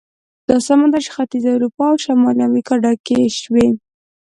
دا سمه ده چې ختیځه اروپا او شمالي امریکا ډکې شوې.